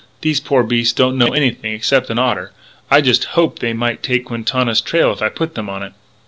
These poor beasts don't know anything except an otter. I just hoped they might take Quintana's trail if I put them on it."